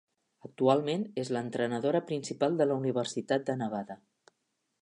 Actualment és l'entrenadora principal de la Universitat de Nevada.